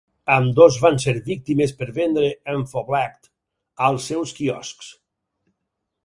Ambdós van ser víctimes per vendre "An Phoblacht" als seus quioscs.